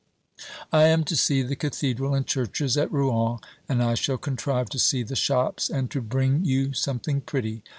I am to see the cathedral and churches at Rouen, and I shall contrive to see the shops, and to bring you something pretty.